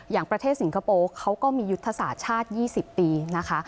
อย่างประเทศสิงคโปร์เขาก็มียุทธศาสตร์ชาติ๒๐ปีนะคะ